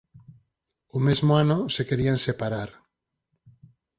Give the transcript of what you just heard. O mesmo ano se querían separar.